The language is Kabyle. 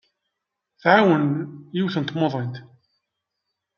Tɛawen yiwet n tmuḍint.